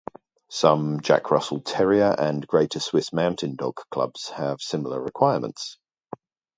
Some Jack Russell Terrier and Greater Swiss Mountain Dog clubs have similar requirements.